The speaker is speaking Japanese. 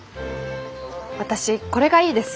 私これがいいです。